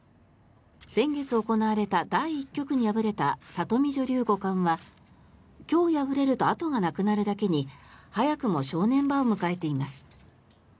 先月行われた第１局に敗れた里見女流五冠は今日敗れると後がなくなるだけに早くも正念場を迎えています。